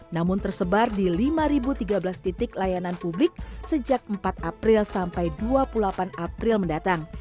namun tersebar di lima tiga belas titik layanan publik sejak empat april sampai dua puluh delapan april mendatang